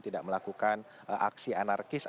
tidak melakukan aksi anarkis